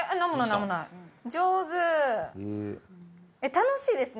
楽しいですね